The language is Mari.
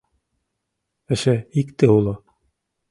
— Эше икте уло.